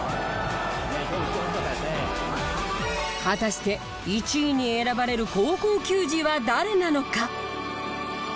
果たして１位に選ばれる高校球児は誰なのか？